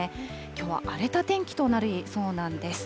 きょうは荒れた天気となりそうなんです。